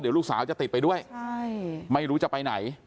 เดี๋ยวลูกสาวจะติดไปด้วยไม่รู้จะไปไหน